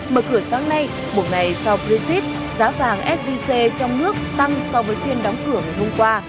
mở cửa sáng nay một ngày sau brexit giá vàng sgc trong nước tăng so với phiên đóng cửa ngày hôm qua